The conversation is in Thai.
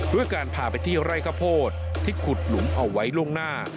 ด้วยการพาไปที่ไร่ข้าวโพดที่ขุดหลุมเอาไว้ล่วงหน้า